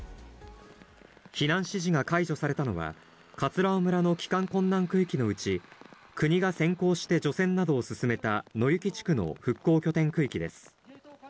避難指示が解除されたのは、葛尾村の帰還困難区域のうち、国が先行して除染などを進めた野行地区の復興拠点区域です。